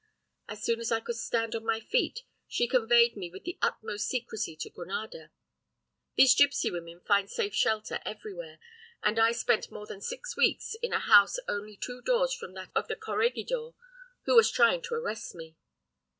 As soon as I could stand on my feet, she conveyed me with the utmost secrecy to Granada. These gipsy women find safe shelter everywhere, and I spent more than six weeks in a house only two doors from that of the Corregidor who was trying to arrest me.